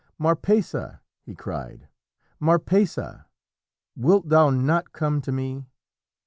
"Marpessa!" he cried, "Marpessa! wilt thou not come to me?